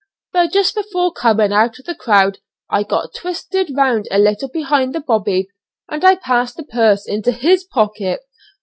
But just before coming out of the crowd I got twisted round a little behind the 'bobby,' and I passed the purse into his pocket.